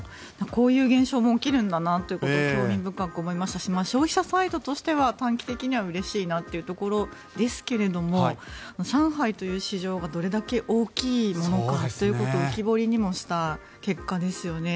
こういう現象も起きるんだなということを興味深く思いましたし消費者サイドとしては短期的には、うれしいなというところですけれども上海という市場がどれだけ大きいものかということを浮き彫りにもした結果ですよね。